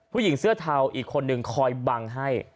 ผู้หญิงเสื้อเทาอีกคนนึงคอยบังให้